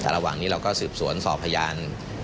แต่ระหว่างนี้เราก็สืบสวนสอบพยาน